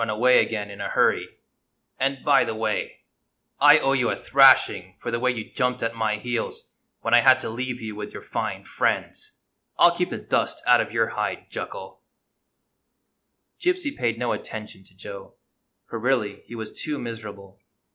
lyg. GYPSY MAKES ANOTHER MISTAKE; away again in a liurry; and, by the way, I owe you a thrashing for the way you jumped at my heels when I had to leave you witli your fine friends. I 'll keep the dust out of your hide, Jucal." Gypsy paid no attention to Joe, for really he was too miserable.